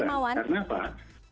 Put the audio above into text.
pak rimawan pak rimawan